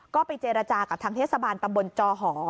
ก็ไปเจรจากับทางเทศบาลตำบลจอหอ